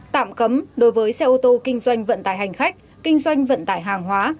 tạm cấm đối với xe ô tô kinh doanh vận tải hành khách kinh doanh vận tải hàng hóa